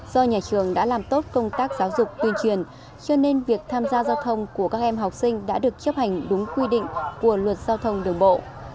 do nhà trường đã làm tốt công tác giáo dục tuyên truyền cho nên việc tham gia giao thông của các em học sinh đã được chấp hành đúng quy định của luật giao thông đường bộ